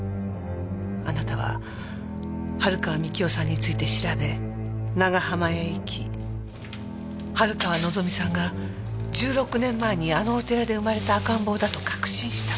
あなたは春川三喜男さんについて調べ長浜へ行き春川望さんが１６年前にあのお寺で生まれた赤ん坊だと確信した。